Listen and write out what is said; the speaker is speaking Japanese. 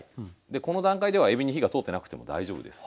でこの段階ではえびに火が通ってなくても大丈夫です。